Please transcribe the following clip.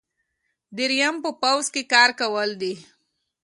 دریم په پوځ کې کار کول دي.